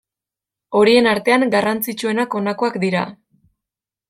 Horien artean garrantzitsuenak honakoak dira.